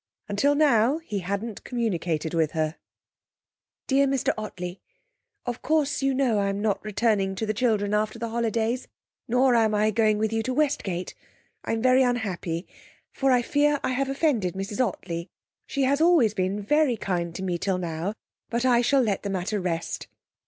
Until now he hadn't communicated with her: 'Dear Mr Ottley, Of course you know I'm not returning to the children after the holidays, nor am I going with you to Westgate. I'm very unhappy, for I fear I have offended Mrs Ottley. She has always been very kind to me till now; but I shall let the matter rest.